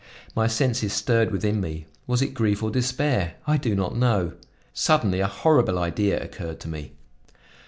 My senses stirred within me. Was it grief or despair? I do not know. Suddenly a horrible idea occurred to me.